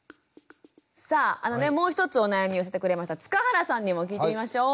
さあもう一つお悩み寄せてくれました塚原さんにも聞いてみましょう。